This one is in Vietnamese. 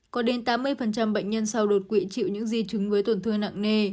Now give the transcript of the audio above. có đến tám mươi bệnh nhân sau đột quỵ chịu những di chứng với tổn thương nặng nề